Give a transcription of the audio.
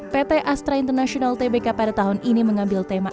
pt astra international tbk pada tahun ini mengambil tema